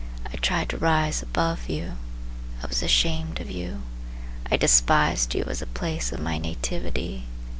I tried to rise above you, I was ashamed of you. I despised you As the place of my nativity.